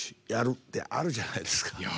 ってあるじゃないですか。